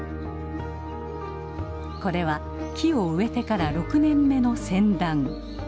これは木を植えてから６年目のセンダン。